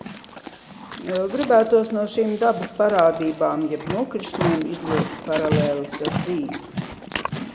Gribētos no šīm dabas parādībām jeb nokrišņiem izvilkt paralēles ar dzīvi.